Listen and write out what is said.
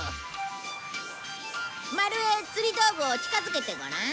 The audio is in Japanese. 丸へ釣り道具を近づけてごらん。